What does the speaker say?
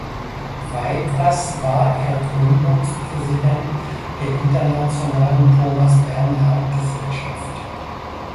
Weiters war er Gründungspräsident der „Internationalen Thomas-Bernhard-Gesellschaft“.